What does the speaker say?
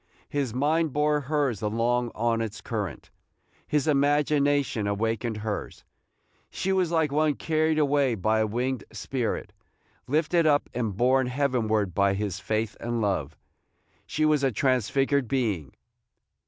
His mind bore hers along on its current. His imagination awakened hers. She was like one carried away by a winged spirit, lifted up and borne heavenward by his faith and love. She was a transfigured being.